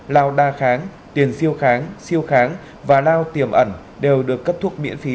lao đa kháng tiền siêu kháng siêu kháng và lao tiềm ẩn đều được cấp thuốc miễn phí